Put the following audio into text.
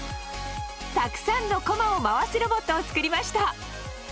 たくさんのコマを回すロボットを作りました。